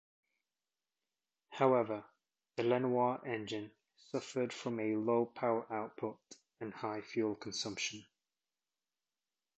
However, the Lenoir engine suffered from a low power output and high fuel consumption.